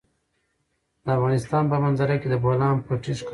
د افغانستان په منظره کې د بولان پټي ښکاره ده.